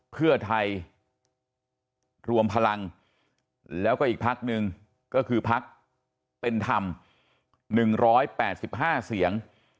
เพื่อไทยรวมพลังแล้วก็อีกพักหนึ่งก็คือพักเป็นธรรม๑๘๕เสียง